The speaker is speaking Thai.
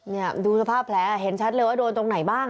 นี่ดูสภาพแผลเห็นชัดเลยว่าโดนตรงไหนบ้าง